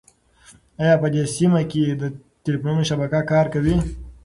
ایا په دې سیمه کې د تېلیفون شبکه کار کوي؟